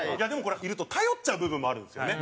いると頼っちゃう部分もあるんですよね。